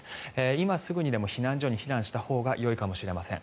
今すぐにでも避難所に避難したほうがよいかもしれません。